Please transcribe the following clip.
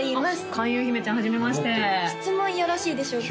開運姫ちゃんはじめまして質問よろしいでしょうか？